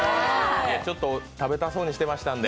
ちょっと食べたそうにしてましたんで。